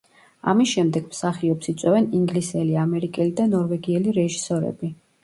ამის შემდეგ მსახიობს იწვევენ ინგლისელი, ამერიკელი და ნორვეგიელი რეჟისორები.